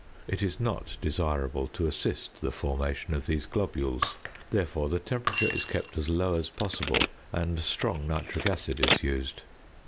It is not desirable to assist the formation of these globules; therefore, the temperature is kept as low as possible, and strong nitric acid is used.